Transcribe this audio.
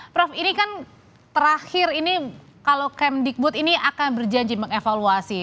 prof ini kan terakhir ini kalau kemdikbud ini akan berjanji mengevaluasi